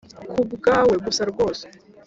'kubwawe gusa rwose